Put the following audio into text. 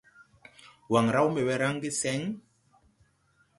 Waŋ raw mbe we raŋge seŋ?